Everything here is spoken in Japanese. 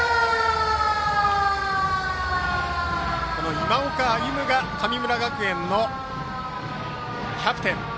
今岡歩夢が神村学園のキャプテン。